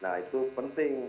nah itu penting